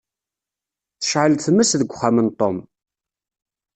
Tecεel tmes deg uxxam n Tom.